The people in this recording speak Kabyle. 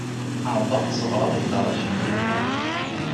Ɛerḍeɣ ad as-ɣreɣ i Dda Racid.